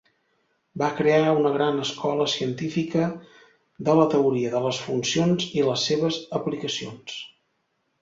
Va crear una gran escola científica de la teoria de les funcions i les seves aplicacions.